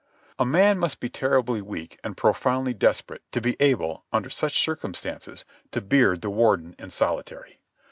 A man must be terribly weak and profoundly desperate to be able, under such circumstances, to beard the Warden in solitary.